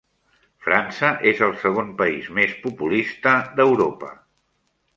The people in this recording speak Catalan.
França és el segon país més populista d'Europa.